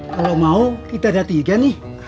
kalau mau kita ada tiga nih